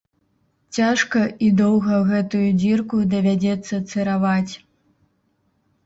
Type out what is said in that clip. Цяжка і доўга гэтую дзірку давядзецца цыраваць.